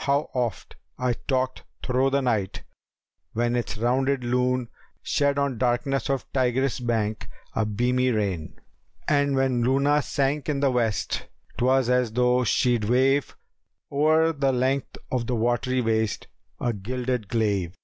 [FN#283] How oft I talked thro' the night, when its rounded Lune * Shed on darkness of Tigris' bank a beamy rain! And when Luna sank in the West 'twas as though she'd wave * O'er the length of the watery waste a gilded glaive."